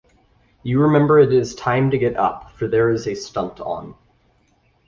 You remember it is time to get up, for there is a stunt on.